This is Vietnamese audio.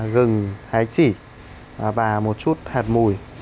rừng hái chỉ và một chút hạt mùi